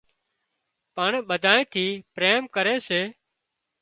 پڻ ٻڌانئين ٿي پريم ڪري سي